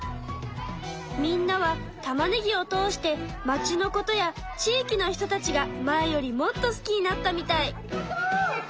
みんなはたまねぎを通して町のことや地域の人たちが前よりもっと好きになったみたい。